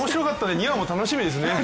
２話も楽しみですね。